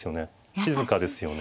静かですよね。